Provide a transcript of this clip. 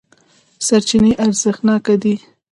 سرچینې ارزښتناکې دي.